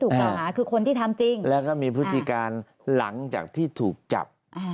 กล่าวหาคือคนที่ทำจริงแล้วก็มีพฤติการหลังจากที่ถูกจับ